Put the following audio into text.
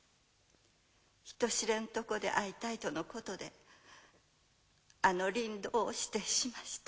人知れぬとこで会いたいとのことであの林道を指定しました。